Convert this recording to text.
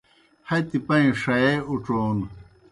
ہتی پائیں ݜیے اُڇھون